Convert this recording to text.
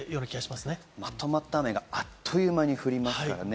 まとまった雨があっという間に降りますからね。